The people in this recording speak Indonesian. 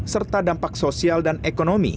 serta dampak sosial dan ekonomi